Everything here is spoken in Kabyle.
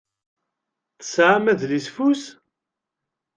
Tesɛam adlisfus?